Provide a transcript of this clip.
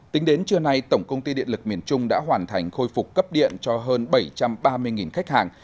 tính đến trưa nay tổng công ty điện lực miền trung đã hoàn thành khôi phục cấp điện cho hơn bảy trăm ba mươi khách hàng